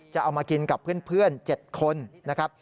จะเอามากินกับเพื่อน๗คนนะครับ